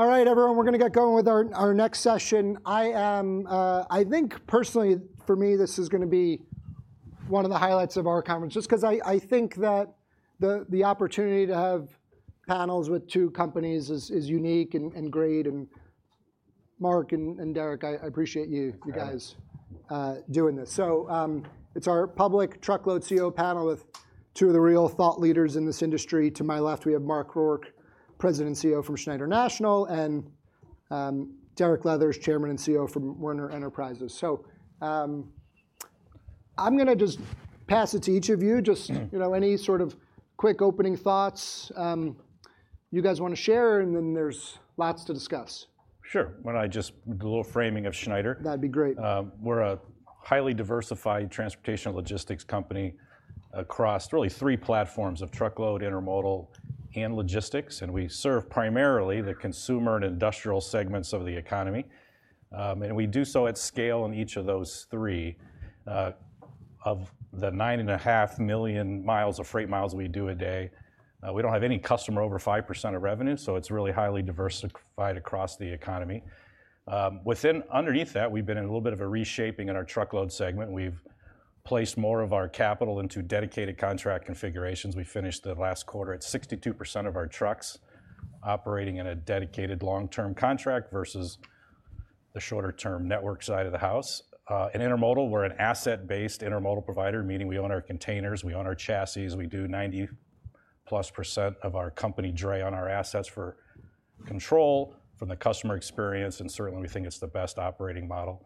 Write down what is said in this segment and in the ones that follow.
All right, everyone, we're gonna get going with our next session. I am, I think personally, for me, this is gonna be one of the highlights of our conference, just 'cause I think that the opportunity to have panels with two companies is unique and great, and Mark and Derek, I appreciate you guys- Yeah. doing this. So, it's our public truckload CEO panel with two of the real thought leaders in this industry. To my left, we have Mark Rourke, President and CEO from Schneider National, and Derek Leathers, Chairman and CEO from Werner Enterprises. So, I'm gonna just pass it to each of you. Just- You know, any sort of quick opening thoughts you guys wanna share, and then there's lots to discuss. Sure. Why don't I just do a little framing of Schneider? That'd be great. We're a highly diversified transportation logistics company across really three platforms of truckload, intermodal, and logistics, and we serve primarily the consumer and industrial segments of the economy. We do so at scale in each of those three. Of the 9.5 million miles of freight miles we do a day, we don't have any customer over 5% of revenue, so it's really highly diversified across the economy. Within, underneath that, we've been in a little bit of a reshaping in our truckload segment. We've placed more of our capital into dedicated contract configurations. We finished the last quarter at 62% of our trucks operating in a dedicated long-term contract versus the shorter-term network side of the house. In intermodal, we're an asset-based intermodal provider, meaning we own our containers, we own our chassis. We do 90%+ of our company dray on our assets for control from the customer experience, and certainly, we think it's the best operating model.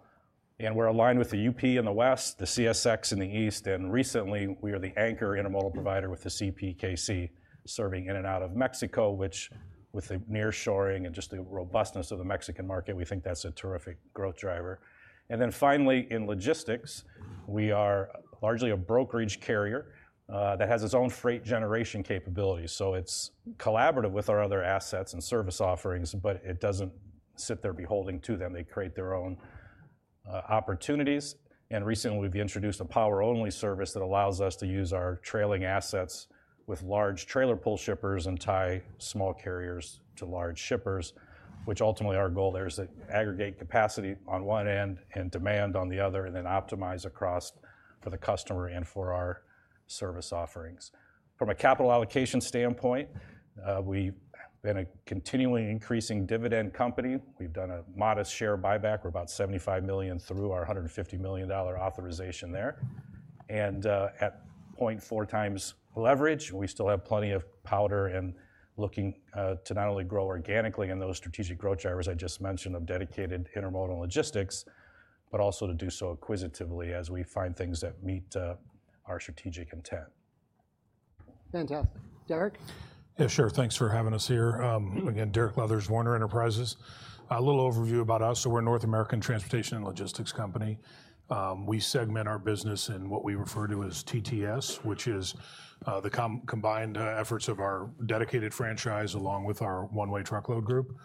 And we're aligned with the UP in the West, the CSX in the East, and recently, we are the anchor intermodal provider with the CPKC, serving in and out of Mexico, which, with the nearshoring and just the robustness of the Mexican market, we think that's a terrific growth driver. And then finally, in logistics, we are largely a brokerage carrier that has its own freight generation capabilities, so it's collaborative with our other assets and service offerings, but it doesn't sit there beholding to them. They create their own opportunities, and recently, we've introduced a power-only service that allows us to use our trailer assets with large trailer pool shippers and tie small carriers to large shippers, which ultimately our goal there is to aggregate capacity on one end and demand on the other, and then optimize across for the customer and for our service offerings. From a capital allocation standpoint, we've been a continually increasing dividend company. We've done a modest share buyback. We're about $75 million through our $150 million authorization there, and at 0.4x leverage, we still have plenty of powder and looking to not only grow organically in those strategic growth drivers I just mentioned of dedicated intermodal logistics, but also to do so acquisitively as we find things that meet our strategic intent. Fantastic. Derek? Yeah, sure. Thanks for having us here. Again, Derek Leathers, Werner Enterprises. A little overview about us. So we're a North American transportation and logistics company. We segment our business in what we refer to as TTS, which is the combined efforts of our dedicated franchise, along with our one-way truckload group.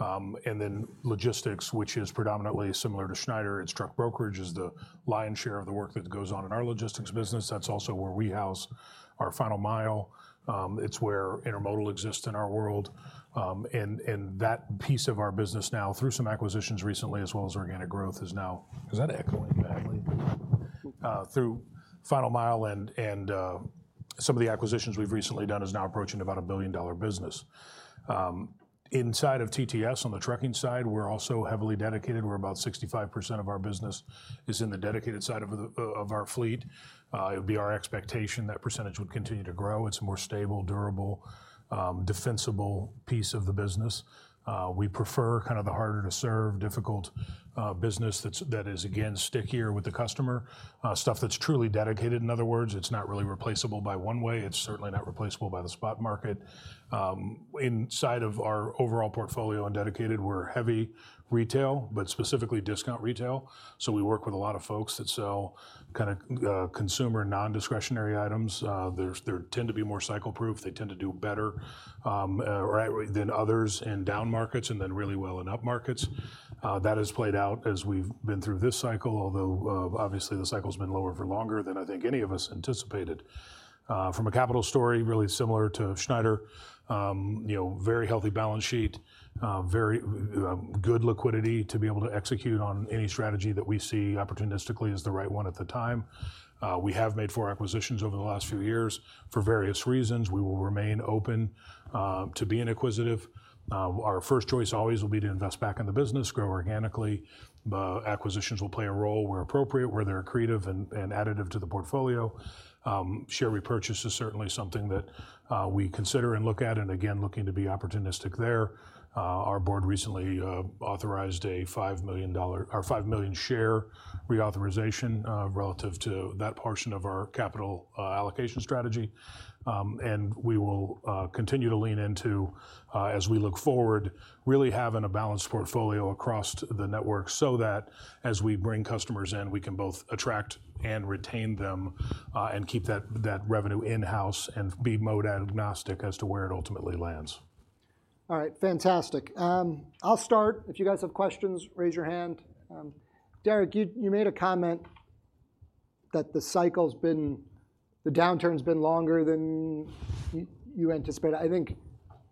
And then logistics, which is predominantly similar to Schneider, it's truck brokerage, is the lion's share of the work that goes on in our logistics business. That's also where we house our final mile. It's where intermodal exists in our world, and that piece of our business now, through some acquisitions recently, as well as organic growth, is now through final mile and some of the acquisitions we've recently done is now approaching about a billion-dollar business. Inside of TTS, on the trucking side, we're also heavily dedicated. We're about 65% of our business is in the dedicated side of our fleet. It would be our expectation that percentage would continue to grow. It's a more stable, durable, defensible piece of the business. We prefer kind of the harder to serve, difficult, business that's, that is, again, stickier with the customer. Stuff that's truly dedicated, in other words, it's not really replaceable by one-way. It's certainly not replaceable by the spot market. Inside of our overall portfolio on dedicated, we're heavy retail, but specifically discount retail, so we work with a lot of folks that sell kinda, consumer, non-discretionary items. There, there tend to be more cycle proof. They tend to do better, right, than others in down markets and then really well in up markets. That has played out as we've been through this cycle, although, obviously the cycle's been lower for longer than I think any of us anticipated. From a capital story, really similar to Schneider, you know, very healthy balance sheet, very good liquidity to be able to execute on any strategy that we see opportunistically as the right one at the time. We have made four acquisitions over the last few years. For various reasons, we will remain open to being acquisitive. Our first choice always will be to invest back in the business, grow organically. Acquisitions will play a role where appropriate, where they're accretive and, and additive to the portfolio. Share repurchase is certainly something that we consider and look at, and again, looking to be opportunistic there. Our board recently authorized a $5 million... or 5 million share reauthorization, relative to that portion of our capital allocation strategy. And we will continue to lean into, as we look forward, really having a balanced portfolio across the network, so that as we bring customers in, we can both attract and retain them, and keep that, that revenue in-house and be mode agnostic as to where it ultimately lands. All right, fantastic. I'll start. If you guys have questions, raise your hand. Derek, you made a comment that the cycle's been, the downturn's been longer than you anticipated. I think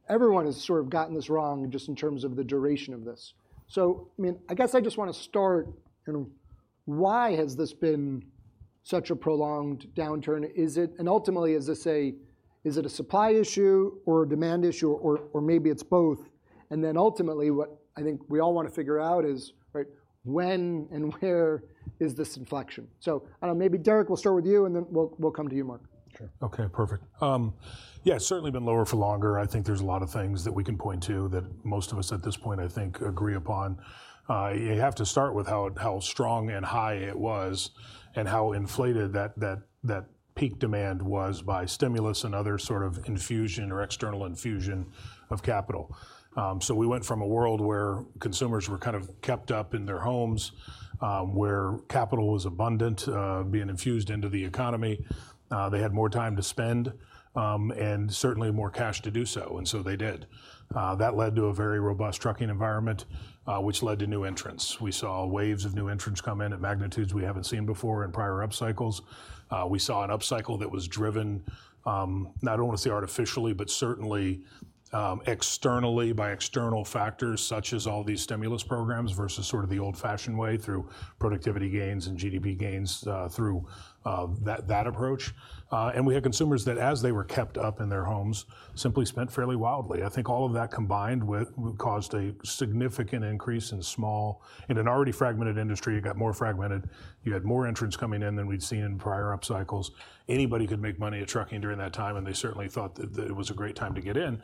everyone has sort of gotten this wrong, just in terms of the duration of this. So, I mean, I guess I just wanna start, you know, why has this been such a prolonged downturn? Is it, and ultimately, is this a, is it a supply issue or a demand issue, or, or maybe it's both? And then, ultimately, what I think we all wanna figure out is, right, when and where is this inflection? So, maybe Derek, we'll start with you, and then we'll come to you, Mark. Sure. Okay, perfect. Yeah, it's certainly been lower for longer. I think there's a lot of things that we can point to that most of us, at this point, I think, agree upon. You have to start with how, how strong and high it was, and how inflated that peak demand was by stimulus and other sort of infusion or external infusion of capital. So we went from a world where consumers were kind of kept up in their homes, where capital was abundant, being infused into the economy. They had more time to spend, and certainly more cash to do so, and so they did. That led to a very robust trucking environment, which led to new entrants. We saw waves of new entrants come in at magnitudes we haven't seen before in prior up cycles. We saw an up cycle that was driven, not I wanna say artificially, but certainly, externally by external factors, such as all these stimulus programs, versus sort of the old-fashioned way, through productivity gains and GDP gains, through that approach. And we had consumers that, as they were kept up in their homes, simply spent fairly wildly. I think all of that, combined with, caused a significant increase in small... In an already fragmented industry, it got more fragmented. You had more entrants coming in than we'd seen in prior up cycles. Anybody could make money in trucking during that time, and they certainly thought that it was a great time to get in.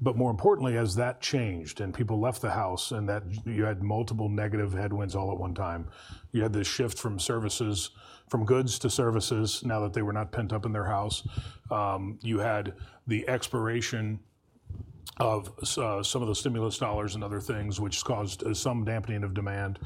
But more importantly, as that changed and people left the house, and that you had multiple negative headwinds all at one time, you had this shift from services, from goods to services, now that they were not pent up in their house. You had the exploration of some of the stimulus dollars and other things, which caused some dampening of demand.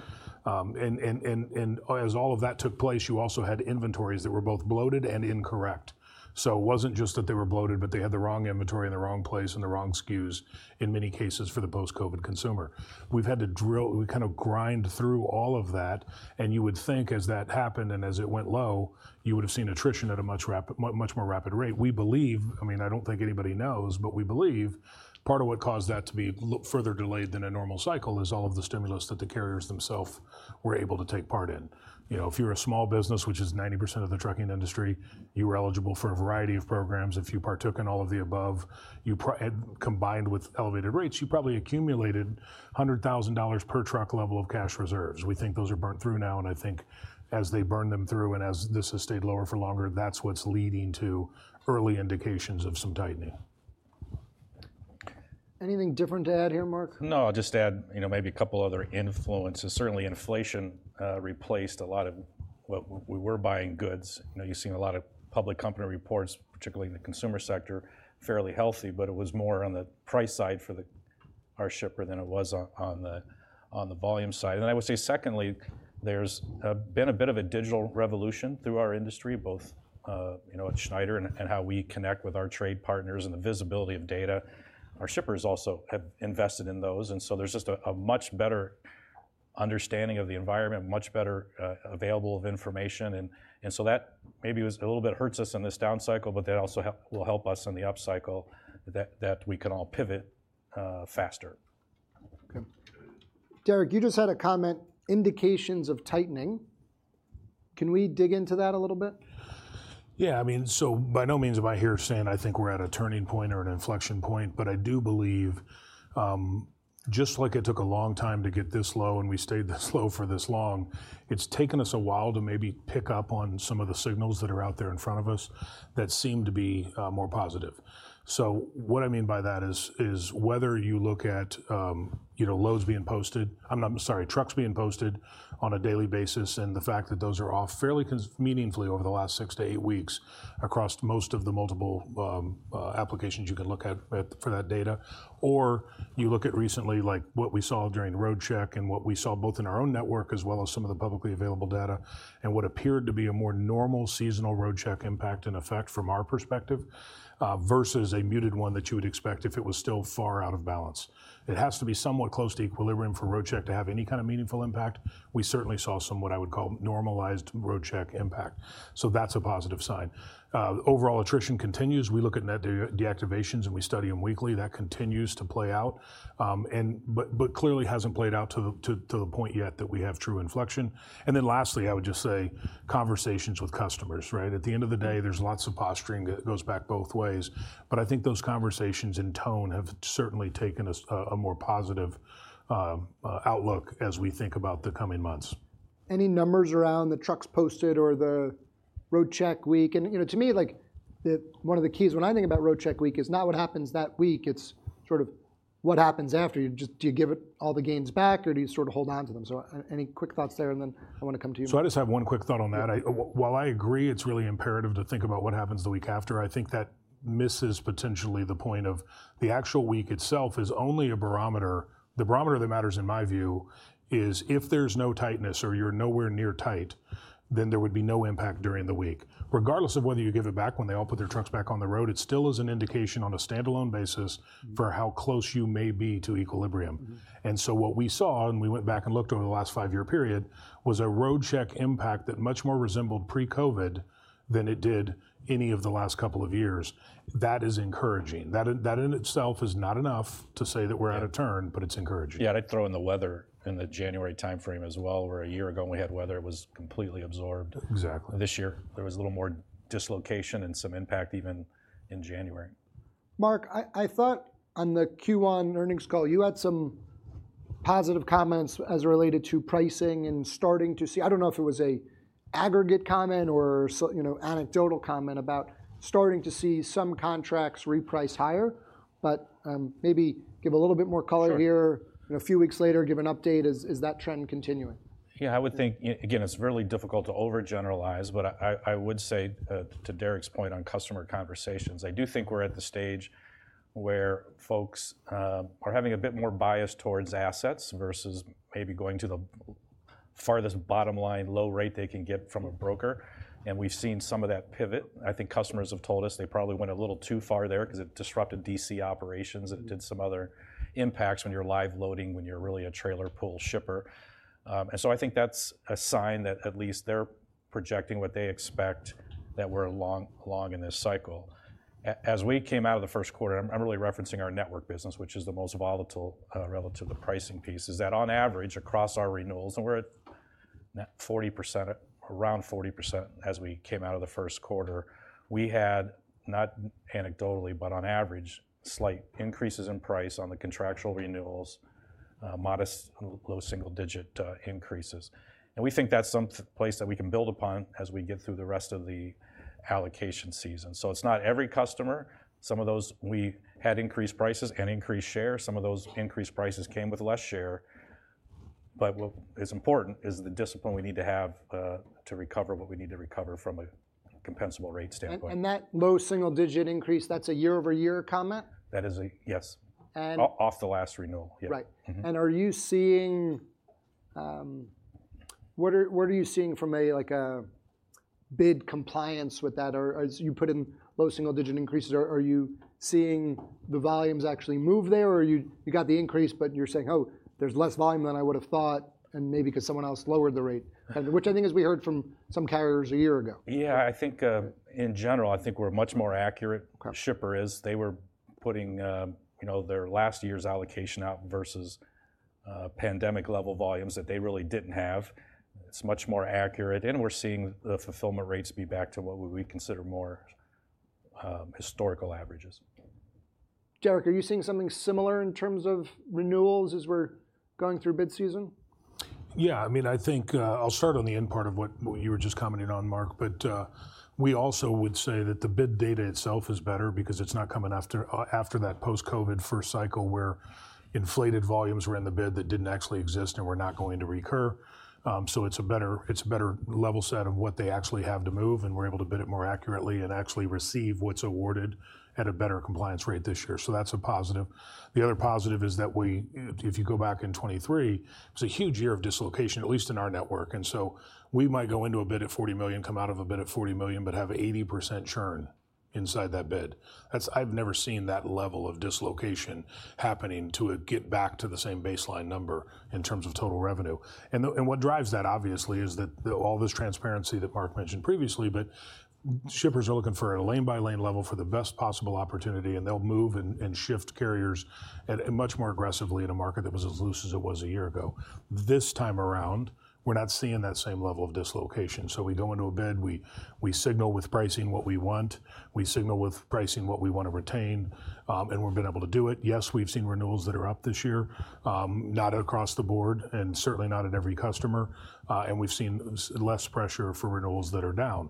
And as all of that took place, you also had inventories that were both bloated and incorrect. So it wasn't just that they were bloated, but they had the wrong inventory in the wrong place and the wrong SKUs, in many cases, for the post-COVID consumer. We've had to drill, we kind of grind through all of that, and you would think, as that happened and as it went low, you would've seen attrition at a much more rapid rate. We believe, I mean, I don't think anybody knows, but we believe part of what caused that to be further delayed than a normal cycle is all of the stimulus that the carriers themselves were able to take part in. You know, if you're a small business, which is 90% of the trucking industry, you were eligible for a variety of programs. If you partook in all of the above, combined with elevated rates, you probably accumulated $100,000 per truck level of cash reserves. We think those are burnt through now, and I think as they burn them through, and as this has stayed lower for longer, that's what's leading to early indications of some tightening. Anything different to add here, Mark? No, I'll just add, you know, maybe a couple other influences. Certainly, inflation replaced a lot of what we were buying goods. You know, you've seen a lot of public company reports, particularly in the consumer sector, fairly healthy, but it was more on the price side for our shipper than it was on the volume side. And I would say, secondly, there's been a bit of a digital revolution through our industry, both, you know, at Schneider and how we connect with our trade partners and the visibility of data. Our shippers also have invested in those, and so there's just a much better understanding of the environment, much better available of information. So that maybe was a little bit hurts us in this down cycle, but that also will help us in the up cycle, that we can all pivot faster. Okay. Derek, you just had a comment, "indications of tightening." Can we dig into that a little bit? Yeah, I mean, so by no means am I here saying I think we're at a turning point or an inflection point, but I do believe just like it took a long time to get this low, and we stayed this low for this long, it's taken us a while to maybe pick up on some of the signals that are out there in front of us that seem to be more positive. So what I mean by that is whether you look at you know loads being posted, I'm sorry, trucks being posted on a daily basis, and the fact that those are off fairly meaningfully over the last six to eight weeks across most of the multiple applications you can look at for that data. Or you look at recently, like, what we saw during Roadcheck, and what we saw both in our own network, as well as some of the publicly available data, and what appeared to be a more normal seasonal Roadcheck impact and effect from our perspective, versus a muted one that you would expect if it was still far out of balance. It has to be somewhat close to equilibrium for Roadcheck to have any kind of meaningful impact. We certainly saw some, what I would call, normalized Roadcheck impact, so that's a positive sign. Overall attrition continues. We look at net deactivations, and we study them weekly. That continues to play out, and but, but clearly hasn't played out to the point yet that we have true inflection. And then lastly, I would just say conversations with customers, right? At the end of the day, there's lots of posturing that goes back both ways, but I think those conversations and tone have certainly taken us to a more positive outlook as we think about the coming months. Any numbers around the trucks posted or the Roadcheck week? And, you know, to me, like, the... One of the keys when I think about Roadcheck week is not what happens that week, it's sort of what happens after. You just, do you give it all the gains back, or do you sort of hold on to them? So any quick thoughts there, and then I wanna come to you. So I just have one quick thought on that. I, while I agree it's really imperative to think about what happens the week after, I think that misses potentially the point of the actual week itself is only a barometer. The barometer that matters, in my view, is if there's no tightness or you're nowhere near tight, then there would be no impact during the week. Regardless of whether you give it back when they all put their trucks back on the road, it still is an indication on a standalone basis for how close you may be to equilibrium. And so what we saw, and we went back and looked over the last five-year period, was a Roadcheck impact that much more resembled pre-COVID than it did any of the last couple of years. That is encouraging. That in, that in itself is not enough to say that we're at a turn, but it's encouraging. Yeah, I'd throw in the weather in the January timeframe as well, where a year ago, when we had weather, it was completely absorbed. Exactly. This year, there was a little more dislocation and some impact even in January. Mark, I thought on the Q1 earnings call, you had some positive comments as related to pricing and starting to see, I don't know if it was an aggregate comment or so, you know, anecdotal comment about starting to see some contracts reprice higher, but maybe give a little bit more color here? Sure. A few weeks later, give an update. Is, is that trend continuing? Yeah, I would think, again, it's really difficult to overgeneralize, but I would say, to Derek's point on customer conversations, I do think we're at the stage where folks are having a bit more bias towards assets versus maybe going to the farthest bottom line, low rate they can get from a broker, and we've seen some of that pivot. I think customers have told us they probably went a little too far there, 'cause it disrupted DC operations. It did some other impacts when you're live loading, when you're really a trailer pool shipper. And so I think that's a sign that at least they're projecting what they expect, that we're along in this cycle. As we came out of the first quarter, I'm really referencing our network business, which is the most volatile relative to the pricing piece, is that on average, across our renewals, and we're at net 40%, around 40% as we came out of the first quarter, we had, not anecdotally, but on average, slight increases in price on the contractual renewals, modest, low single digit increases. And we think that's some place that we can build upon as we get through the rest of the allocation season. So it's not every customer. Some of those, we had increased prices and increased share. Some of those increased prices came with less share, but what is important is the discipline we need to have, to recover what we need to recover from a compensable rate standpoint. And that low single digit increase, that's a year-over-year comment? Yes. And- Off the last renewal. Yeah. Right. Are you seeing... What are you seeing from a, like, a bid compliance with that? Or as you put in low single digit increases, are you seeing the volumes actually move there, or you got the increase, but you're saying, "Oh, there's less volume than I would've thought," and maybe 'cause someone else lowered the rate? Which I think as we heard from some carriers a year ago. Yeah, I think, in general, I think we're much more accurate- Okay... shipper is. They were putting, you know, their last year's allocation out versus, pandemic-level volumes that they really didn't have. It's much more accurate, and we're seeing the fulfillment rates be back to what we, we consider more, historical averages. Derek, are you seeing something similar in terms of renewals as we're going through bid season? Yeah, I mean, I think, I'll start on the end part of what you were just commenting on, Mark, but, we also would say that the bid data itself is better because it's not coming after that post-COVID first cycle, where inflated volumes were in the bid that didn't actually exist and were not going to recur. So it's a better level set of what they actually have to move, and we're able to bid it more accurately and actually receive what's awarded at a better compliance rate this year. So that's a positive. The other positive is that we, if you go back in 2023, it was a huge year of dislocation, at least in our network, and so we might go into a bid at $40 million, come out of a bid at $40 million, but have 80% churn inside that bid. That's... I've never seen that level of dislocation happening to get back to the same baseline number in terms of total revenue. And what drives that, obviously, is that all this transparency that Mark mentioned previously, but shippers are looking for a lane-by-lane level for the best possible opportunity, and they'll move and shift carriers at much more aggressively in a market that was as loose as it was a year ago. This time around, we're not seeing that same level of dislocation, so we go into a bid, we, we signal with pricing what we want, we signal with pricing what we want to retain, and we've been able to do it. Yes, we've seen renewals that are up this year, not across the board, and certainly not at every customer, and we've seen less pressure for renewals that are down.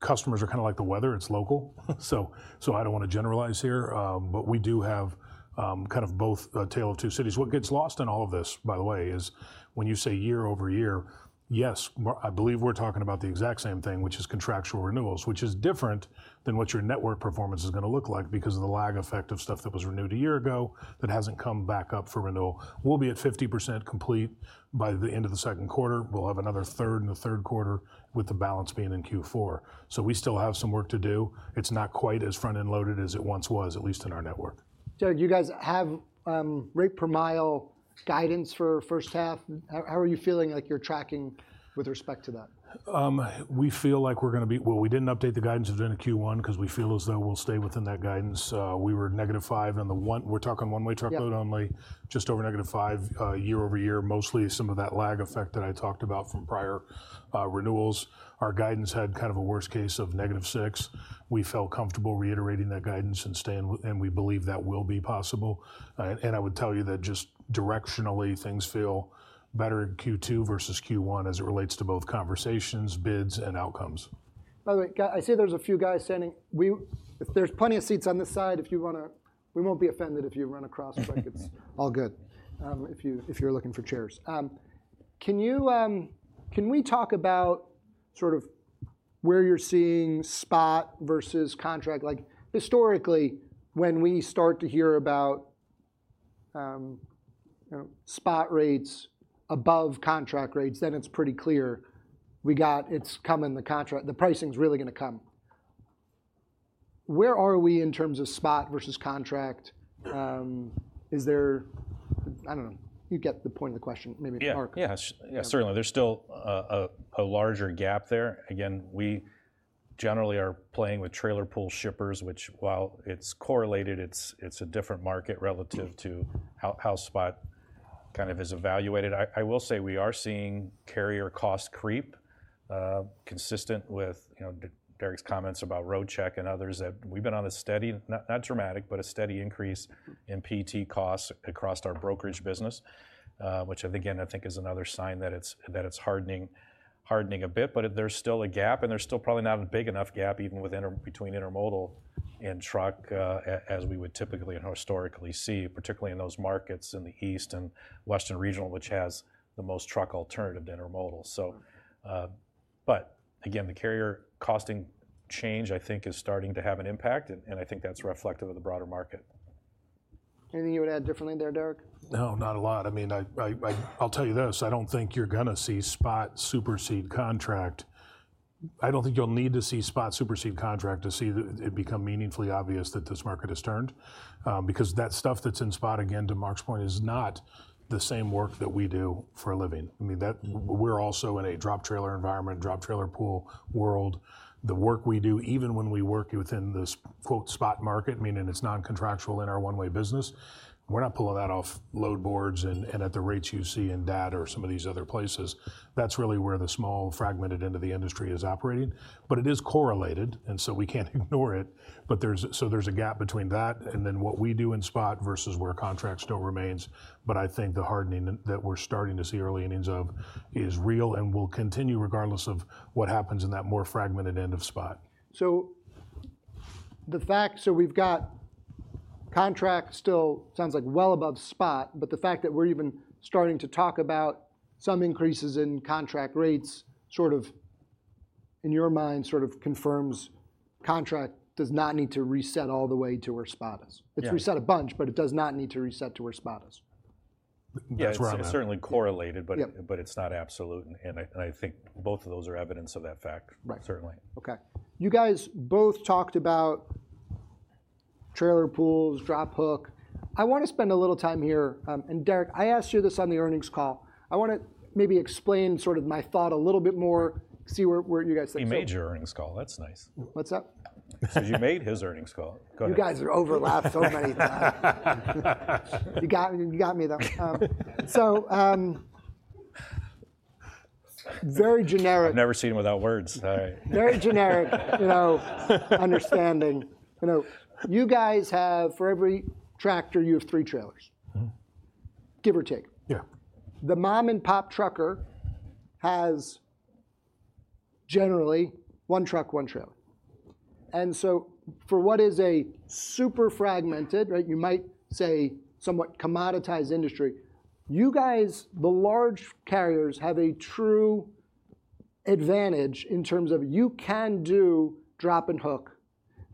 Customers are kind of like the weather, it's local, so I don't want to generalize here, but we do have kind of both a tale of two cities. What gets lost in all of this, by the way, is when you say year-over-year, yes, I believe we're talking about the exact same thing, which is contractual renewals, which is different than what your network performance is gonna look like because of the lag effect of stuff that was renewed a year ago that hasn't come back up for renewal. We'll be at 50% complete by the end of the second quarter. We'll have another third in the third quarter, with the balance being in Q4. So we still have some work to do. It's not quite as front-end loaded as it once was, at least in our network. Derek, do you guys have rate per mile guidance for first half? How are you feeling like you're tracking with respect to that? We feel like we're gonna be. Well, we didn't update the guidance within Q1, 'cause we feel as though we'll stay within that guidance. We were -5 on the one. We're talking one-way truckload- Yep Only just over -5% year-over-year. Mostly some of that lag effect that I talked about from prior renewals. Our guidance had kind of a worst case of -6%. We felt comfortable reiterating that guidance and staying and we believe that will be possible. I would tell you that just directionally, things feel better in Q2 versus Q1, as it relates to both conversations, bids, and outcomes. By the way, guys, I see there's a few guys standing. If there's plenty of seats on this side, if you wanna, we won't be offended if you run across, like it's all good, if you, if you're looking for chairs. Can you, can we talk about sort of where you're seeing spot versus contract? Like, historically, when we start to hear about, you know, spot rates above contract rates, then it's pretty clear it's coming, the contract, the pricing's really gonna come. Where are we in terms of spot versus contract? Is there? I don't know. You get the point of the question, maybe, Mark? Yeah, yeah, yeah, certainly. There's still a larger gap there. Again, we generally are playing with trailer pool shippers, which while it's correlated, it's a different market relative to how spot kind of is evaluated. I will say we are seeing carrier cost creep consistent with, you know, Derek's comments about Roadcheck and others, that we've been on a steady, not dramatic, but a steady increase in PT costs across our brokerage business. Which again, I think is another sign that it's hardening a bit. But there's still a gap, and there's still probably not a big enough gap, even with between intermodal and truck, as we would typically and historically see, particularly in those markets in the East and Western regional, which has the most truck alternative to intermodal. But again, the carrier costing change, I think, is starting to have an impact, and I think that's reflective of the broader market. Anything you would add differently there, Derek? No, not a lot. I mean, I'll tell you this, I don't think you're gonna see spot supersede contract. I don't think you'll need to see spot supersede contract to see it become meaningfully obvious that this market has turned. Because that stuff that's in spot, again, to Mark's point, is not the same work that we do for a living. I mean, that we're also in a drop trailer environment, drop trailer pool world. The work we do, even when we work within this, quote, "spot market," meaning it's non-contractual in our one-way business, we're not pulling that off load boards and at the rates you see in DAT or some of these other places. That's really where the small, fragmented end of the industry is operating. But it is correlated, and so we can't ignore it. So there's a gap between that and then what we do in spot versus where contract still remains. But I think the hardening that we're starting to see early innings of is real and will continue regardless of what happens in that more fragmented end of spot. The fact that we've got contract still sounds like well above spot, but the fact that we're even starting to talk about some increases in contract rates, sort of, in your mind, sort of confirms contract does not need to reset all the way to where spot is. Yeah. It's reset a bunch, but it does not need to reset to where spot is. That's where I'm at. Yeah, it's certainly correlated, but- Yeah... but it's not absolute, and I think both of those are evidence of that fact- Right... certainly. Okay. You guys both talked about trailer pools, drop hook. I wanna spend a little time here, and Derek, I asked you this on the earnings call. I wanna maybe explain sort of my thought a little bit more, see where, where you guys stand. He made your earnings call. That's nice. What's that? I said you made his earnings call. Go ahead. You guys are overlapped so many times. You got me, you got me, though. So, very generic- I've never seen him without words. Very generic, you know, understanding. You know, you guys have, for every tractor, you have three trailers. Give or take. Yeah. The mom-and-pop trucker has generally one truck, one trailer, and so for what is a super fragmented, right, you might say, somewhat commoditized industry, you guys, the large carriers, have a true advantage in terms of you can do drop and hook,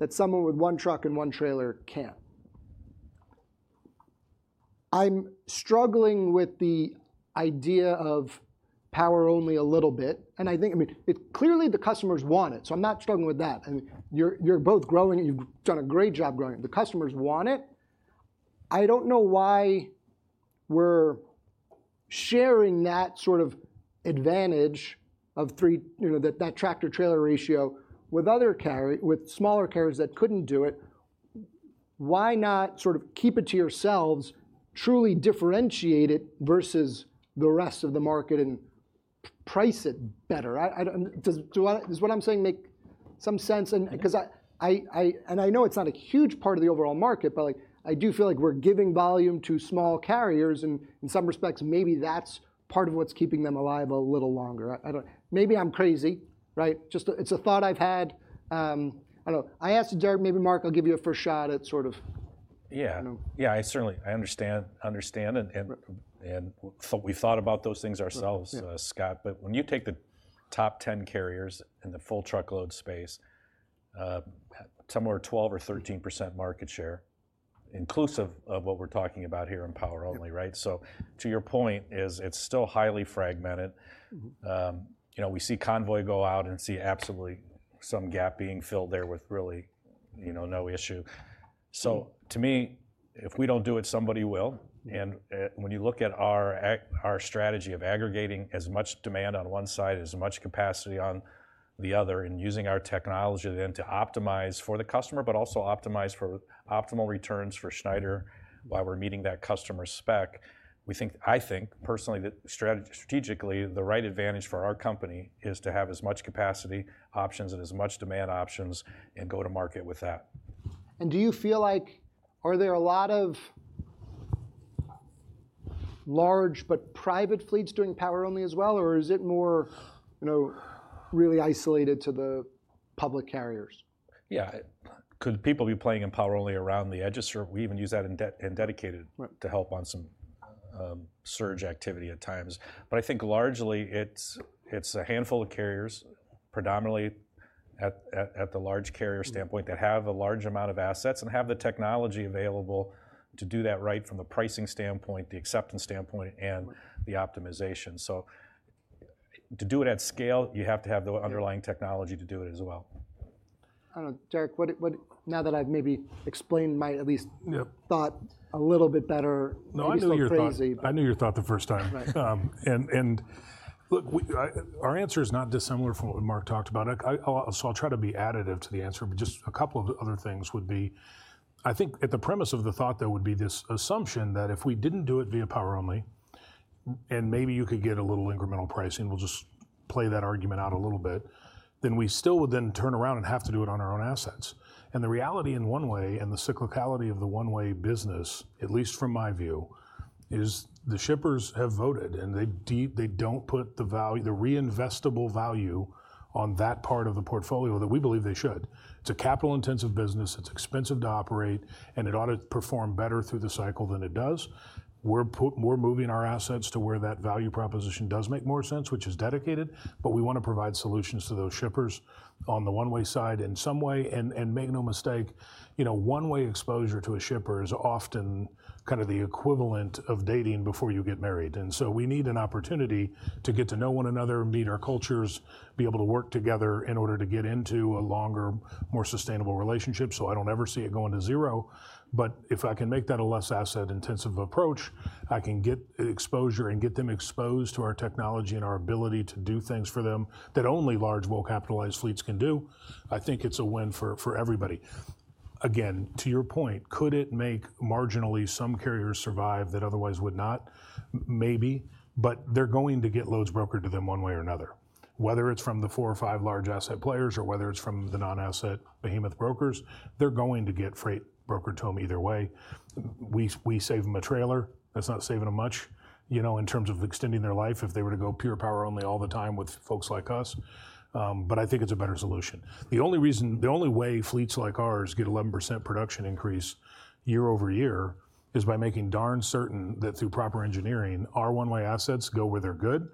that someone with one truck and one trailer can't. I'm struggling with the idea of power-only a little bit, and I think, I mean, it clearly, the customers want it, so I'm not struggling with that. And you're both growing, you've done a great job growing. The customers want it. I don't know why we're sharing that sort of advantage of three, you know, that tractor-trailer ratio with other carrier, with smaller carriers that couldn't do it. Why not sort of keep it to yourselves, truly differentiate it versus the rest of the market and price it better? Does what I'm saying make some sense? And, 'cause I know it's not a huge part of the overall market, but, like, I do feel like we're giving volume to small carriers, and in some respects, maybe that's part of what's keeping them alive a little longer. I don't... Maybe I'm crazy, right? Just a thought I've had. I don't know. I asked Derek, maybe Mark, I'll give you a fair shot at sort of- Yeah. You know? Yeah, I certainly understand, and we've thought about those things ourselves- Yeah... Scott, but when you take the top 10 carriers in the full truckload space, somewhere 12 or 13% market share, inclusive of what we're talking about here in power only, right? So to your point is, it's still highly fragmented. You know, we see Convoy go out and see absolutely some gap being filled there with really, you know, no issue. So to me, if we don't do it, somebody will. Yeah. When you look at our strategy of aggregating as much demand on one side, as much capacity on the other, and using our technology then to optimize for the customer, but also optimize for optimal returns for Schneider while we're meeting that customer spec, we think, I think, personally, that strategy, strategically, the right advantage for our company is to have as much capacity options and as much demand options and go to market with that. Do you feel like, are there a lot of large but private fleets doing power-only as well, or is it more, you know, really isolated to the public carriers? Yeah. Could people be playing in power-only around the edges? Sure. We even use that in dedicated- Right... to help on some surge activity at times. But I think largely, it's a handful of carriers, predominantly at the large carrier standpoint, that have a large amount of assets and have the technology available to do that, right, from a pricing standpoint, the acceptance standpoint, and the optimization. So to do it at scale, you have to have the underlying technology to do it as well. I don't know, Derek, what now that I've maybe explained my at least- Yeah... thought a little bit better. No, I knew your thought- Maybe still crazy.... I knew your thought the first time. Right. Look, our answer is not dissimilar from what Mark talked about. So I'll try to be additive to the answer, but just a couple of other things would be, I think at the premise of the thought, there would be this assumption that if we didn't do it via power only and maybe you could get a little incremental pricing, we'll just play that argument out a little bit, then we still would then turn around and have to do it on our own assets. And the reality in one-way, and the cyclicality of the one-way business, at least from my view, is the shippers have voted, and they don't put the value, the reinvestable value, on that part of the portfolio that we believe they should. It's a capital-intensive business, it's expensive to operate, and it ought to perform better through the cycle than it does. We're moving our assets to where that value proposition does make more sense, which is dedicated, but we want to provide solutions to those shippers on the one-way side in some way. And make no mistake, you know, one-way exposure to a shipper is often kind of the equivalent of dating before you get married, and so we need an opportunity to get to know one another, meet our cultures, be able to work together in order to get into a longer, more sustainable relationship. So I don't ever see it going to zero, but if I can make that a less asset-intensive approach, I can get exposure and get them exposed to our technology and our ability to do things for them that only large, well-capitalized fleets can do. I think it's a win for, for everybody. Again, to your point, could it make marginally some carriers survive that otherwise would not? Maybe, but they're going to get loads brokered to them one-way or another. Whether it's from the four or five large asset players, or whether it's from the non-asset behemoth brokers, they're going to get freight brokered to them either way. We save them a trailer, that's not saving them much, you know, in terms of extending their life if they were to go pure power only all the time with folks like us, but I think it's a better solution. The only reason, the only way fleets like ours get 11% production increase year-over-year, is by making darn certain that, through proper engineering, our one-way assets go where they're good,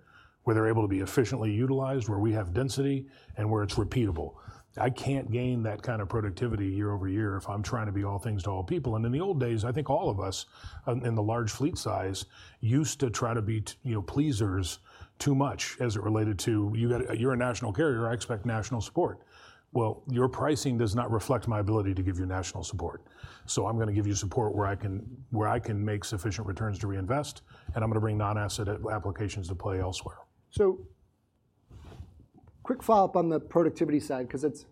where they're able to be efficiently utilized, where we have density and where it's repeatable. I can't gain that kind of productivity year-over-year if I'm trying to be all things to all people. In the old days, I think all of us in the large fleet size used to try to be, you know, pleasers too much, as it related to, "You're a national carrier, I expect national support." Well, your pricing does not reflect my ability to give you national support, so I'm gonna give you support where I can, where I can make sufficient returns to reinvest, and I'm gonna bring non-asset applications to play elsewhere. So, quick follow-up on the productivity side, because it's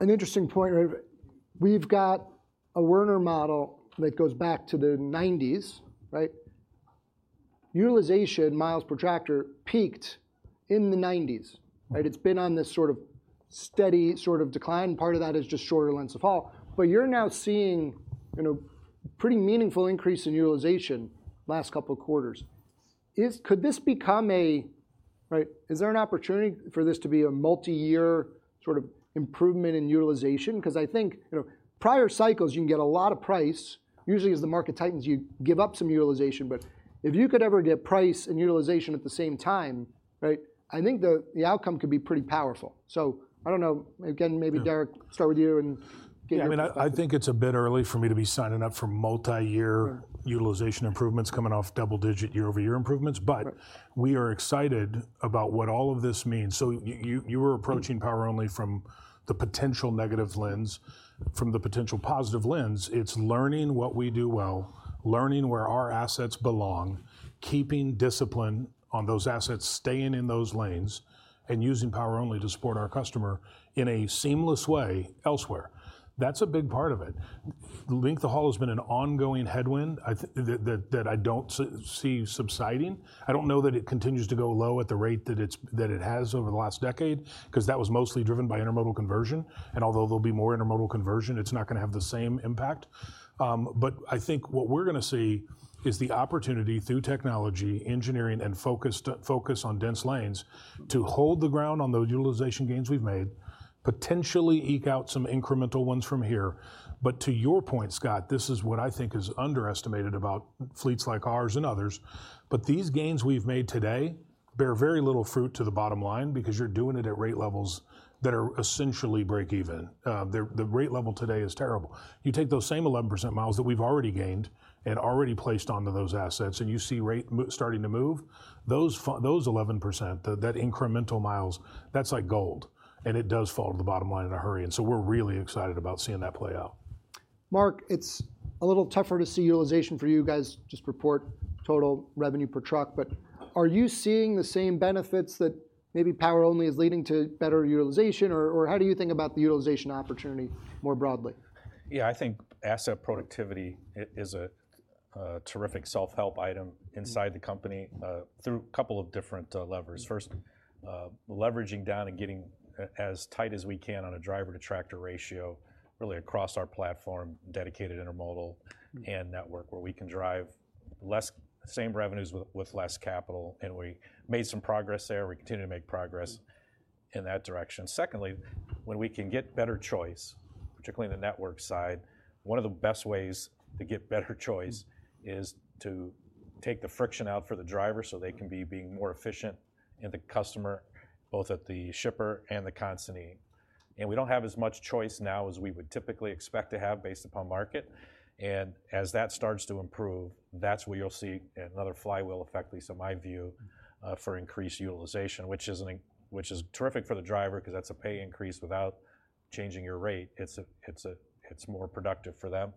an interesting point. We've got a Werner model that goes back to the nineties, right? Utilization miles per tractor peaked in the nineties, right? It's been on this sort of steady sort of decline, part of that is just shorter lengths of haul. But you're now seeing, you know, pretty meaningful increase in utilization last couple of quarters. Is - could this become a right... Is there an opportunity for this to be a multi-year sort of improvement in utilization? Because I think, you know, prior cycles, you can get a lot of price. Usually, as the market tightens, you give up some utilization, but if you could ever get price and utilization at the same time, right, I think the outcome could be pretty powerful. So I don't know, again, maybe Derek, start with you and get your- I mean, I think it's a bit early for me to be signing up for multi-year— Right... utilization improvements coming off double-digit year-over-year improvements. Right. But we are excited about what all of this means. So you were approaching power only from the potential negative lens. From the potential positive lens, it's learning what we do well, learning where our assets belong, keeping discipline on those assets, staying in those lanes, and using power only to support our customer in a seamless way elsewhere. That's a big part of it. Length of haul has been an ongoing headwind. I think that I don't see subsiding. I don't know that it continues to go low at the rate that it's, that it has over the last decade, 'cause that was mostly driven by intermodal conversion, and although there'll be more intermodal conversion, it's not gonna have the same impact. But I think what we're gonna see is the opportunity, through technology, engineering, and focus on dense lanes, to hold the ground on those utilization gains we've made, potentially eke out some incremental ones from here. But to your point, Scott, this is what I think is underestimated about fleets like ours and others, but these gains we've made today bear very little fruit to the bottom line, because you're doing it at rate levels that are essentially break even. The rate level today is terrible. You take those same 11% miles that we've already gained and already placed onto those assets, and you see rates starting to move, those 11%, that incremental miles, that's like gold, and it does fall to the bottom line in a hurry, and so we're really excited about seeing that play out. Mark, it's a little tougher to see utilization for you guys, just report total revenue per truck, but are you seeing the same benefits that maybe power only is leading to better utilization? Or, or how do you think about the utilization opportunity more broadly? Yeah, I think asset productivity is a terrific self-help item inside the company through a couple of different levers. First, leveraging down and getting as tight as we can on a driver-to-tractor ratio, really across our platform, dedicated intermodal and network, where we can drive less the same revenues with less capital, and we made some progress there. We continue to make progress in that direction. Secondly, when we can get better choice, particularly in the network side, one of the best ways to get better choice is to take the friction out for the driver so they can be being more efficient, and the customer, both at the shipper and the consignee. We don't have as much choice now as we would typically expect to have based upon market, and as that starts to improve, that's where you'll see another flywheel effect, at least in my view, for increased utilization, which is terrific for the driver, 'cause that's a pay increase without changing your rate. It's more productive for them.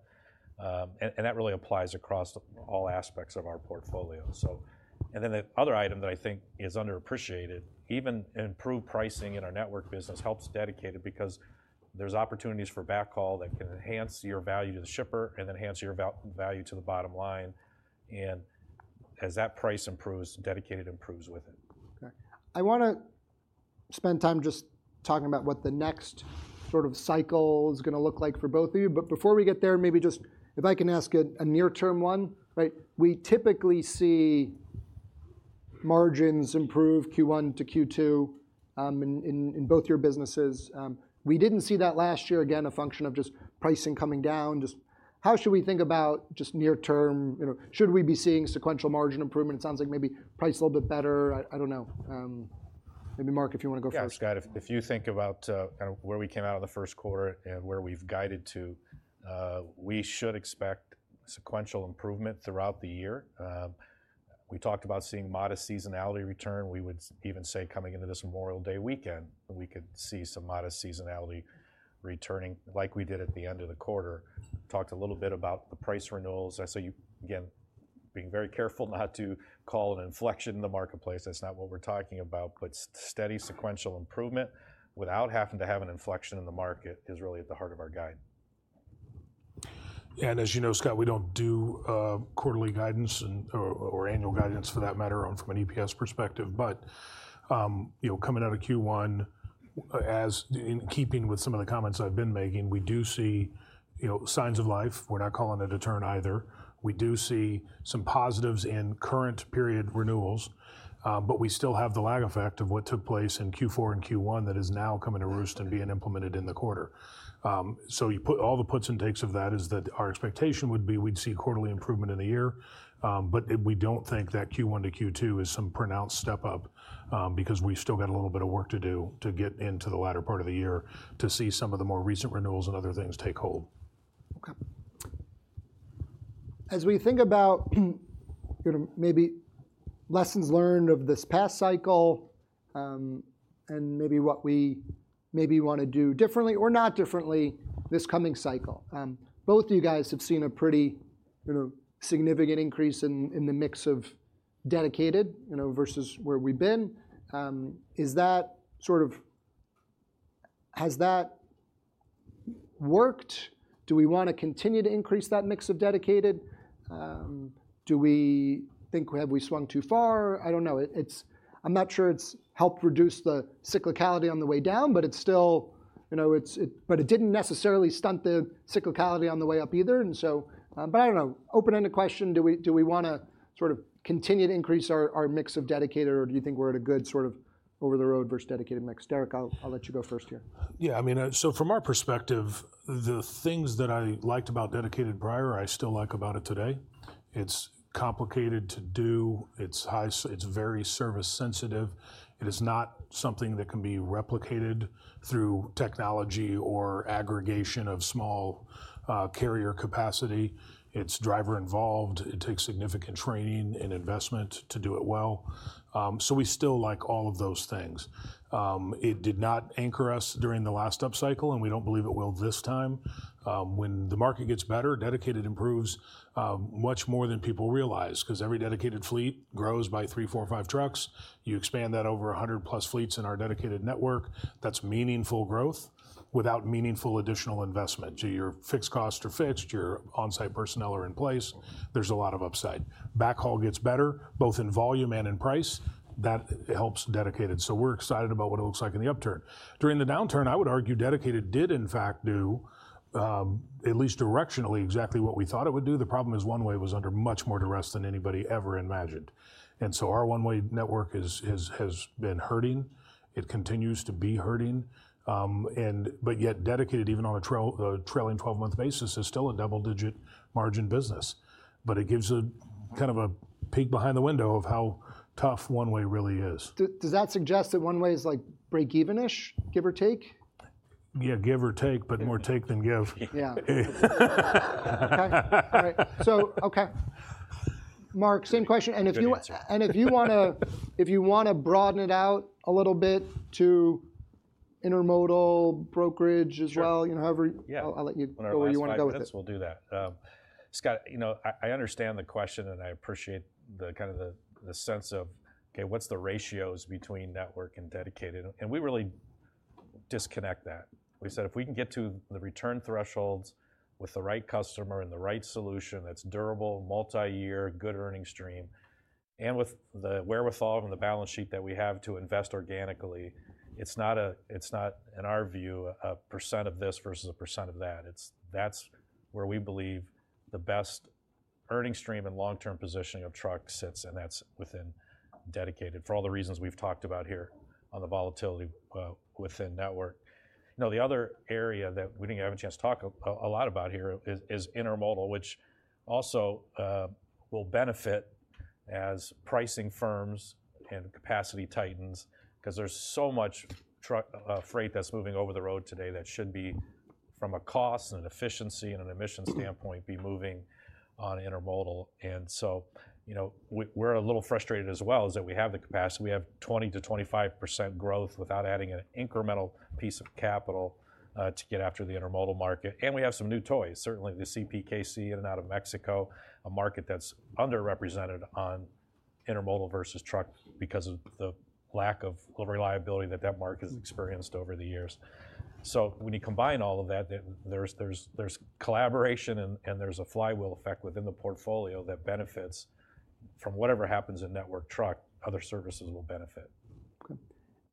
And that really applies across all aspects of our portfolio. And then the other item that I think is underappreciated, even improved pricing in our network business helps dedicated, because there's opportunities for backhaul that can enhance your value to the shipper and enhance your value to the bottom line. And as that price improves, dedicated improves with it. Okay. I wanna spend time just talking about what the next sort of cycle is gonna look like for both of you. But before we get there, maybe just, if I can ask a near term one, right? We typically see margins improve Q1 to Q2, in both your businesses. We didn't see that last year. Again, a function of just pricing coming down. Just how should we think about, just near term, you know, should we be seeing sequential margin improvement? It sounds like maybe price a little bit better. I don't know. Maybe Mark, if you wanna go first. Yeah, Scott, if you think about kind of where we came out of the first quarter and where we've guided to, we should expect sequential improvement throughout the year. We talked about seeing modest seasonality return. We would even say, coming into this Memorial Day weekend, we could see some modest seasonality returning, like we did at the end of the quarter. Talked a little bit about the price renewals. I saw you, again, being very careful not to call an inflection in the marketplace, that's not what we're talking about. But steady, sequential improvement, without having to have an inflection in the market, is really at the heart of our guide. As you know, Scott, we don't do quarterly guidance and, or, or annual guidance, for that matter, from an EPS perspective. But, you know, coming out of Q1, as in keeping with some of the comments I've been making, we do see, you know, signs of life. We're not calling it a turn either. We do see some positives in current period renewals, but we still have the lag effect of what took place in Q4 and Q1 that is now coming to roost and being implemented in the quarter. So you put all the puts and takes of that is that our expectation would be, we'd see quarterly improvement in the year. But we don't think that Q1 to Q2 is some pronounced step up, because we've still got a little bit of work to do to get into the latter part of the year to see some of the more recent renewals and other things take hold. Okay. As we think about you know, maybe lessons learned of this past cycle, and maybe what we maybe want to do differently or not differently this coming cycle. Both of you guys have seen a pretty, you know, significant increase in the mix of dedicated, you know, versus where we've been. Is that sort of... Has that worked? Do we wanna continue to increase that mix of dedicated? Do we think, have we swung too far? I don't know. It's, I'm not sure it's helped reduce the cyclicality on the way down, but it's still, you know... But it didn't necessarily stunt the cyclicality on the way up either, and so, but I don't know. Open-ended question: Do we, do we wanna sort of continue to increase our, our mix of dedicated, or do you think we're at a good sort of over-the-road versus dedicated mix? Derek, I'll, I'll let you go first here. Yeah, I mean, so from our perspective, the things that I liked about Dedicated prior, I still like about it today. It's complicated to do. It's very service sensitive. It is not something that can be replicated through technology or aggregation of small, carrier capacity. It's driver involved. It takes significant training and investment to do it well. So we still like all of those things. It did not anchor us during the last upcycle, and we don't believe it will this time. When the market gets better, Dedicated improves, much more than people realize, 'cause every dedicated fleet grows by three, four, or five trucks. You expand that over a hundred plus fleets in our dedicated network, that's meaningful growth, without meaningful additional investment. So your fixed costs are fixed, your on-site personnel are in place, there's a lot of upside. Backhaul gets better, both in volume and in price. That helps Dedicated, so we're excited about what it looks like in the upturn. During the downturn, I would argue Dedicated did in fact do at least directionally exactly what we thought it would do. The problem is, one-way was under much more duress than anybody ever imagined. And so our one-way network is, has been hurting. It continues to be hurting, and but yet Dedicated, even on a trailing 12-month basis, is still a double-digit margin business. But it gives a kind of a peek behind the window of how tough one-way really is. Does that suggest that one-way is, like, break even-ish, give or take? Yeah, give or take, but more take than give. Yeah. Okay. All right. So, okay, Mark, same question. Good answer. And if you wanna broaden it out a little bit to intermodal, brokerage as well- Sure... you know, however- Yeah... I'll let you, however you wanna go with this. When our five minutes, we'll do that. Scott, you know, I, I understand the question, and I appreciate the, kind of the, the sense of, okay, what's the ratios between network and dedicated? And we really disconnect that. We said, if we can get to the return thresholds with the right customer and the right solution that's durable, multi-year, good earning stream, and with the wherewithal from the balance sheet that we have to invest organically, it's not a, it's not, in our view, a percent of this versus a percent of that. It's, that's where we believe the best earning stream and long-term positioning of truck sits, and that's within Dedicated, for all the reasons we've talked about here on the volatility, within network. You know, the other area that we didn't have a chance to talk a lot about here is intermodal, which also will benefit as pricing firms and capacity tightens. 'Cause there's so much truck freight that's moving over the road today, that should be, from a cost and efficiency and an emissions standpoint, be moving on intermodal. And so, you know, we're a little frustrated as well, is that we have the capacity. We have 20%-25% growth without adding an incremental piece of capital to get after the intermodal market, and we have some new toys. Certainly, the CPKC in and out of Mexico, a market that's underrepresented on intermodal versus truck, because of the lack of reliability that that market has experienced over the years. So when you combine all of that, then there's collaboration and there's a flywheel effect within the portfolio that benefits from whatever happens in network truck. Other services will benefit. Okay.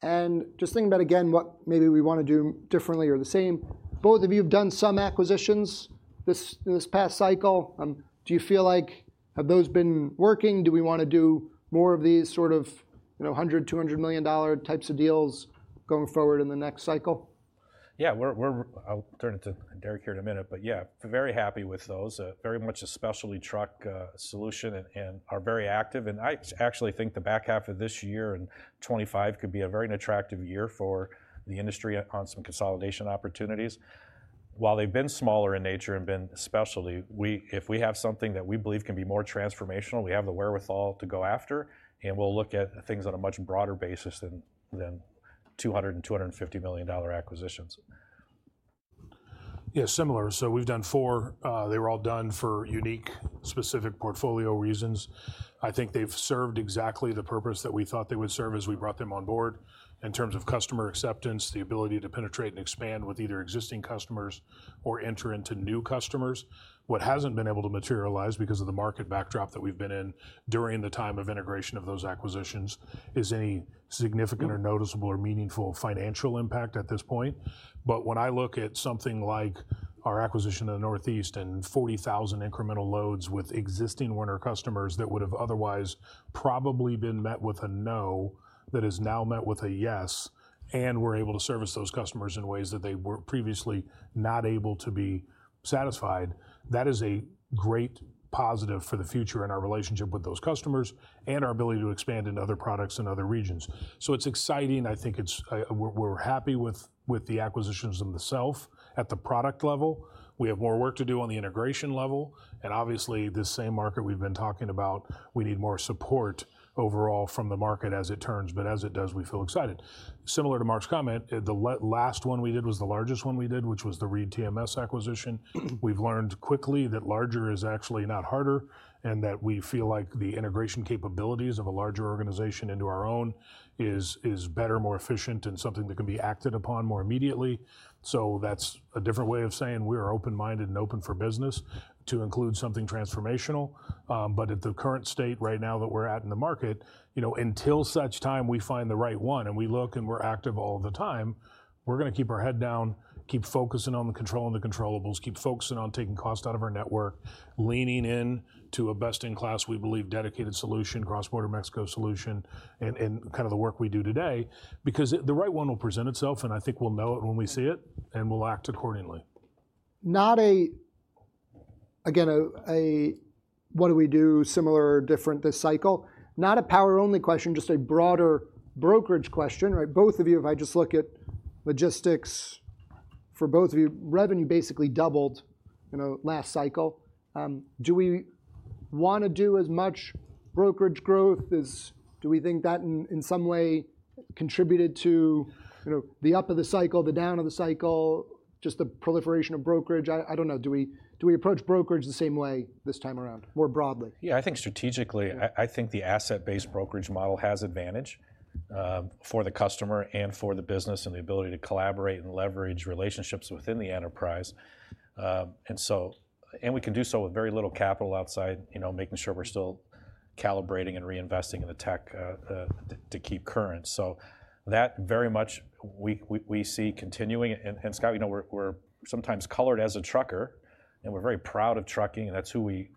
And just thinking about, again, what maybe we wanna do differently or the same, both of you have done some acquisitions this, in this past cycle. Do you feel like, have those been working? Do we wanna do more of these sort of, you know, $100-$200 million types of deals going forward in the next cycle? Yeah, we're. I'll turn it to Derek here in a minute, but yeah, very happy with those. Very much a specialty truck solution and are very active, and I actually think the back half of this year and 25 could be a very attractive year for the industry on some consolidation opportunities. While they've been smaller in nature and been specialty, we, if we have something that we believe can be more transformational, we have the wherewithal to go after, and we'll look at things on a much broader basis than $200 million and $250 million-dollar acquisitions. Yeah, similar. So we've done four. They were all done for unique, specific portfolio reasons. I think they've served exactly the purpose that we thought they would serve as we brought them on board. In terms of customer acceptance, the ability to penetrate and expand with either existing customers or enter into new customers. What hasn't been able to materialize, because of the market backdrop that we've been in during the time of integration of those acquisitions, is any significant or noticeable or meaningful financial impact at this point. But when I look at something like our acquisition in the Northeast and 40,000 incremental loads with existing Werner customers, that would have otherwise probably been met with a no, that is now met with a yes, and we're able to service those customers in ways that they were previously not able to be satisfied. That is a great positive for the future and our relationship with those customers, and our ability to expand into other products and other regions. So it's exciting, I think it's. We're happy with the acquisitions themself. At the product level, we have more work to do on the integration level, and obviously, this same market we've been talking about, we need more support overall from the market as it turns, but as it does, we feel excited. Similar to Mark's comment, the last one we did was the largest one we did, which was the ReedTMS acquisition. We've learned quickly that larger is actually not harder, and that we feel like the integration capabilities of a larger organization into our own is better, more efficient, and something that can be acted upon more immediately. So that's a different way of saying we are open-minded and open for business to include something transformational. But at the current state right now, that we're at in the market, you know, until such time we find the right one, and we look, and we're active all the time, we're gonna keep our head down, keep focusing on the controlling the controllables, keep focusing on taking cost out of our network, leaning in to a best-in-class, we believe, dedicated solution, cross-border Mexico solution, and, and kind of the work we do today. Because the right one will present itself, and I think we'll know it when we see it, and we'll act accordingly. Again, what do we do similar or different this cycle? Not a power-only question, just a broader brokerage question, right? Both of you, if I just look at logistics for both of you, revenue basically doubled, you know, last cycle. Do we wanna do as much brokerage growth, do we think that in some way contributed to, you know, the up of the cycle, the down of the cycle, just the proliferation of brokerage? I don't know. Do we approach brokerage the same way this time around, more broadly? Yeah, I think strategically, I think the asset-based brokerage model has advantage for the customer and for the business, and the ability to collaborate and leverage relationships within the enterprise. And so, and we can do so with very little capital outside, you know, making sure we're still calibrating and reinvesting in the tech to keep current. So that very much we see continuing, and Scott, you know, we're sometimes colored as a trucker, and we're very proud of trucking, and that's who we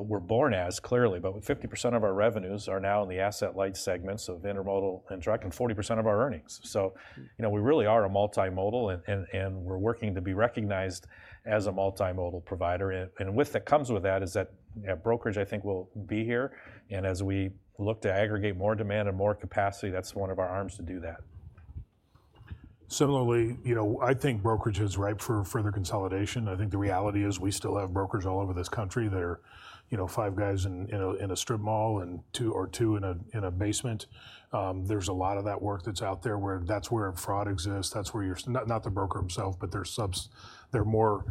were born as, clearly. But 50% of our revenues are now in the asset-light segments of intermodal and truck, and 40% of our earnings. So, you know, we really are a multimodal and we're working to be recognized as a multimodal provider. What that comes with that is that, yeah, brokerage, I think, will be here, and as we look to aggregate more demand and more capacity, that's one of our arms to do that. Similarly, you know, I think brokerage is ripe for further consolidation. I think the reality is we still have brokers all over this country that are, you know, five guys in a strip mall, and two in a basement. There's a lot of that work that's out there, where fraud exists, that's where you're not the broker himself, but they're more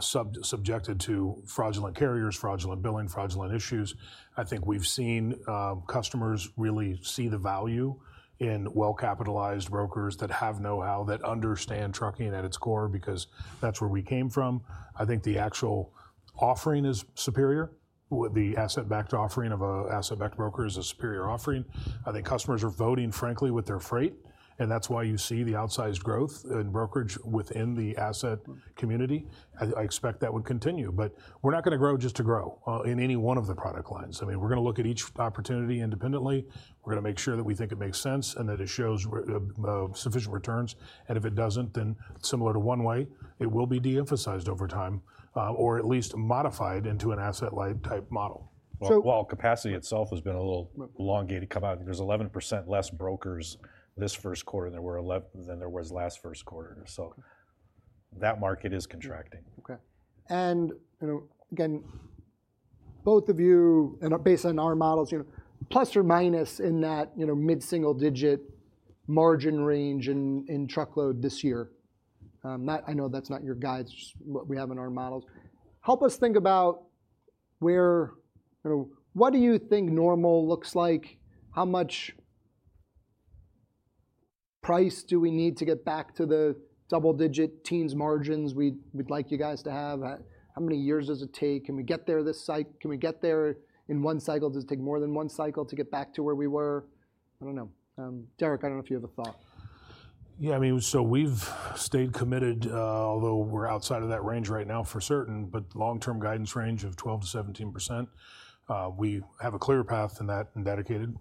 subjected to fraudulent carriers, fraudulent billing, fraudulent issues. I think we've seen customers really see the value in well-capitalized brokers that have know-how, that understand trucking at its core, because that's where we came from. I think the actual offering is superior, with the asset-backed offering of a asset-backed broker is a superior offering. I think customers are voting frankly with their freight, and that's why you see the outsized growth in brokerage within the asset community. I, I expect that would continue, but we're not gonna grow just to grow in any one of the product lines. I mean, we're gonna look at each opportunity independently. We're gonna make sure that we think it makes sense, and that it shows sufficient returns, and if it doesn't, then similar to one-way, it will be de-emphasized over time, or at least modified into an asset-light type model. So- Well, capacity itself has been a little elongated come out. There's 11% less brokers this first quarter than there was last first quarter, so that market is contracting. Okay. And, you know, again, both of you, and based on our models, you know, plus or minus in that, you know, mid-single-digit margin range in truckload this year? Not, I know that's not your guides, just what we have in our models. Help us think about where, or what do you think normal looks like? How much price do we need to get back to the double-digit teens margins we'd like you guys to have? How many years does it take? Can we get there this cycle? Can we get there in one cycle? Does it take more than one cycle to get back to where we were? I don't know. Derek, I don't know if you have a thought. Yeah, I mean, so we've stayed committed, although we're outside of that range right now, for certain, but long-term guidance range of 12%-17%. We have a clear path to that, and dedicated.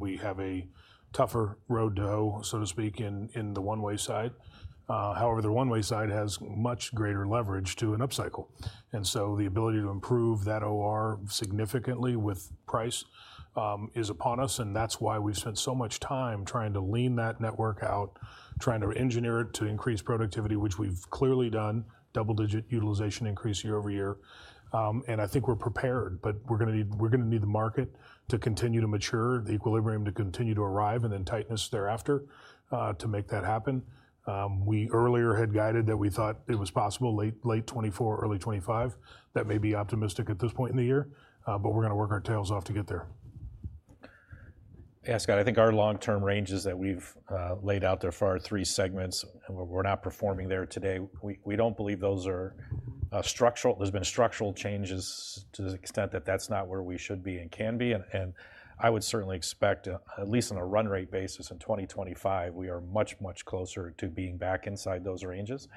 We have a tougher road to hoe, so to speak, in the one-way side. However, the one-way side has much greater leverage to an upcycle, and so the ability to improve that OR significantly with price is upon us, and that's why we've spent so much time trying to lean that network out, trying to engineer it to increase productivity, which we've clearly done, double-digit utilization increase year-over-year. And I think we're prepared, but we're gonna need, we're gonna need the market to continue to mature, the equilibrium to continue to arrive, and then tightness thereafter to make that happen. We earlier had guided that we thought it was possible, late, late 2024, early 2025. That may be optimistic at this point in the year, but we're gonna work our tails off to get there. Yeah, Scott, I think our long-term ranges that we've laid out there for our three segments, and we're not performing there today. We don't believe those are structural. There's been structural changes to the extent that that's not where we should be and can be, and I would certainly expect at least on a run rate basis in 2025, we are much closer to being back inside those ranges.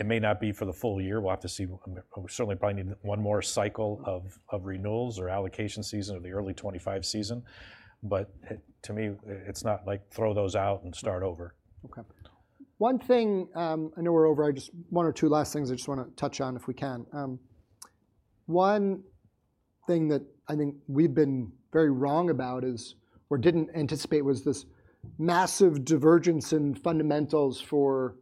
It may not be for the full year. We'll have to see. We certainly probably need one more cycle of renewals or allocation season or the early '25 season, but it to me it's not like throw those out and start over. Okay. One thing, I know we're over. I just, one or two last things I just wanna touch on, if we can. One thing that I think we've been very wrong about is, or didn't anticipate, was this massive divergence in fundamentals for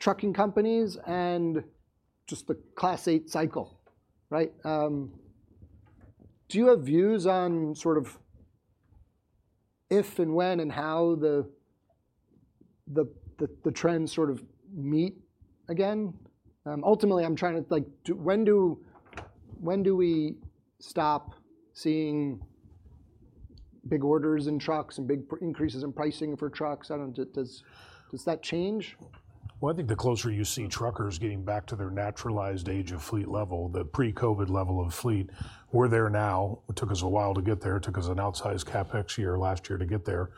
trucking companies and just the Class 8 cycle, right? Do you have views on, sort of, if and when and how the trends sort of meet again? Ultimately, I'm trying to, like, do... When do we stop seeing big orders in trucks and big increases in pricing for trucks? Does that change? Well, I think the closer you see truckers getting back to their naturalized age of fleet level, the pre-COVID level of fleet, we're there now. It took us a while to get there. It took us an outsized CapEx year last year to get there,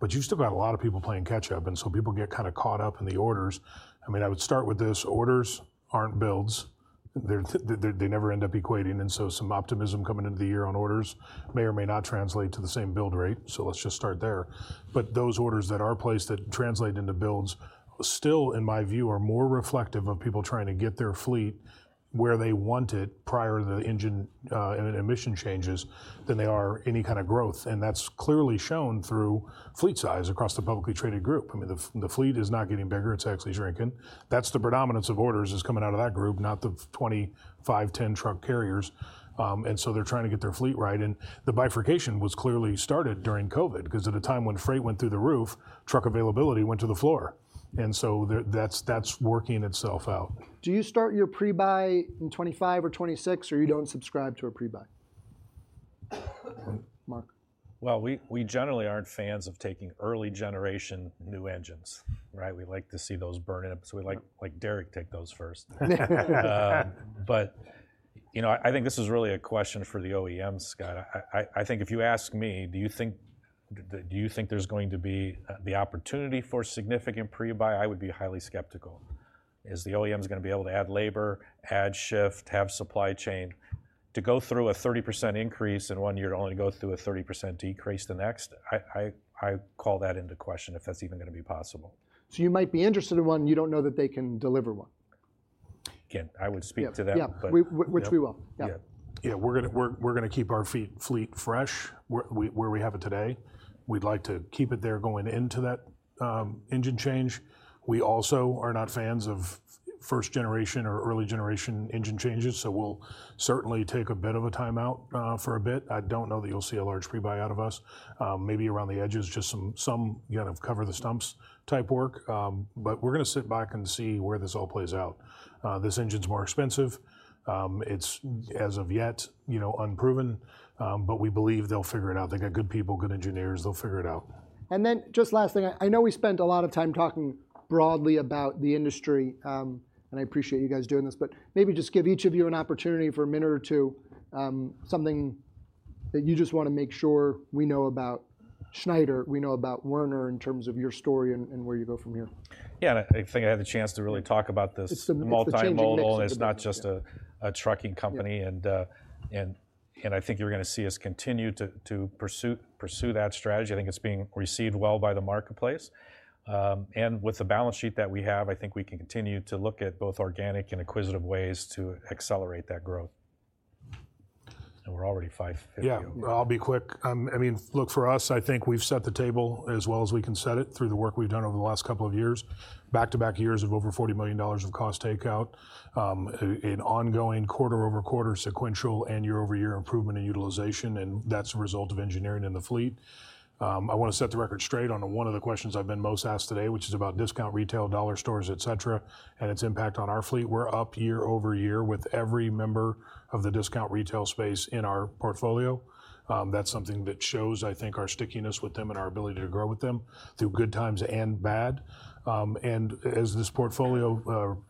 but you've still got a lot of people playing catch up, and so people get kinda caught up in the orders. I mean, I would start with this: Orders aren't builds. They're, they never end up equating, and so some optimism coming into the year on orders may or may not translate to the same build rate, so let's just start there. But those orders that are placed that translate into builds, still, in my view, are more reflective of people trying to get their fleet where they want it prior to the engine and emission changes than they are any kind of growth, and that's clearly shown through fleet size across the publicly traded group. I mean, the fleet is not getting bigger. It's actually shrinking. That's the predominance of orders is coming out of that group, not the 25, 10-truck carriers. And so they're trying to get their fleet right, and the bifurcation was clearly started during COVID, 'cause at a time when freight went through the roof, truck availability went to the floor, and so there, that's working itself out. Do you start your pre-buy in 2025 or 2026, or you don't subscribe to a pre-buy? Mark? Well, we generally aren't fans of taking early-generation new engines, right? We like to see those burn in, so we like, like Derek, take those first. But, you know, I think this is really a question for the OEMs, Scott. I think if you ask me, "Do you think there's going to be the opportunity for significant pre-buy?" I would be highly skeptical. Is the OEMs gonna be able to add labor, add shift, have supply chain to go through a 30% increase in one year, to only go through a 30% decrease the next? I call that into question, if that's even gonna be possible. You might be interested in one. You don't know that they can deliver one? Again, I would speak to them- Yeah, yeah... but- Which we will. Yeah. Yeah. Yeah, we're gonna keep our fleet fresh, where we have it today. We'd like to keep it there going into that engine change. We also are not fans of first-generation or early-generation engine changes, so we'll certainly take a bit of a timeout for a bit. I don't know that you'll see a large pre-buy out of us. Maybe around the edges, just some kind of cover-the-stumps type work, but we're gonna sit back and see where this all plays out. This engine's more expensive. It's, as of yet, you know, unproven, but we believe they'll figure it out. They've got good people, good engineers. They'll figure it out. And then, just last thing, I know we spent a lot of time talking broadly about the industry, and I appreciate you guys doing this, but maybe just give each of you an opportunity for a minute or two, something that you just wanna make sure we know about Schneider, we know about Werner, in terms of your story and where you go from here. Yeah, and I think I had the chance to really talk about this- It's the changing mix-... multimodal, and it's not just a trucking company and I think you're gonna see us continue to pursue that strategy. I think it's being received well by the marketplace. With the balance sheet that we have, I think we can continue to look at both organic and acquisitive ways to accelerate that growth. We're already 55.0 over. Yeah, I'll be quick. I mean, look, for us, I think we've set the table as well as we can set it through the work we've done over the last couple of years, back-to-back years of over $40 million of cost takeout, an ongoing quarter-over-quarter sequential and year-over-year improvement in utilization, and that's a result of engineering in the fleet. I wanna set the record straight on, one of the questions I've been most asked today, which is about discount, retail, dollar stores, et cetera, and its impact on our fleet. We're up year-over-year with every member of the discount retail space in our portfolio. That's something that shows, I think, our stickiness with them and our ability to grow with them through good times and bad. And as this portfolio,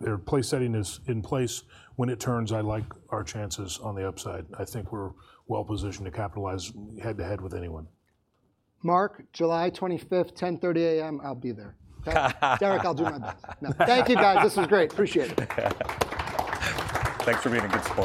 or place setting is in place, when it turns, I like our chances on the upside. I think we're well positioned to capitalize head-to-head with anyone. Mark, July twenty-fifth, 10:30 A.M., I'll be there. Derek, I'll do my best. Thank you, guys. This was great. Appreciate it. Thanks for being a good sport.